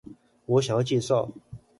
我想要介紹